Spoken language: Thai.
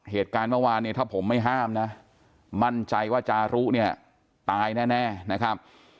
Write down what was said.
เหตุการณ์เมื่อวานเนี่ยถ้าผมไม่ห้ามนะมั่นใจว่าจารุเนี่ยตายแน่นะครับ